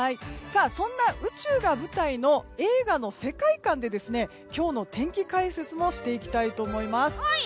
そんな宇宙が舞台の映画の世界観で今日の天気解説もしていきたいと思います。